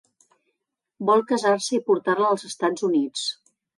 Vol casar-se i portar-la als Estats Units.